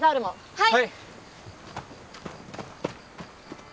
はい！